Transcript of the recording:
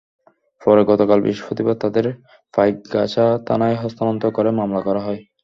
পরে গতকাল বৃহস্পতিবার তাঁদের পাইকগাছা থানায় হস্তান্তর করে মামলা করা হয়।